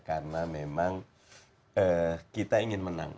karena memang kita ingin menang